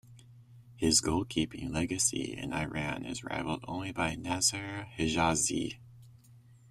His goalkeeping legacy in Iran is rivaled only by Nasser Hejazi.